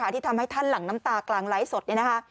ที่ทำให้ท่านหลังน้ำตากลางไล้สด